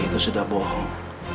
berarti itu sudah bohong